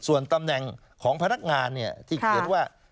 ส่วนตำแหน่งของพนักงานที่เขียนว่า